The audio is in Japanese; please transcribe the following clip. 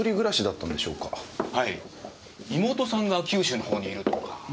妹さんが九州のほうにいるとか。